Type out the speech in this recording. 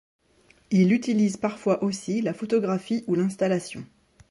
Il utilise parfois aussi la photographie ou l'installation.